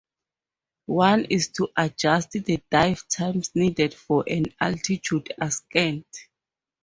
One is to adjust the dive times needed for an altitude ascent.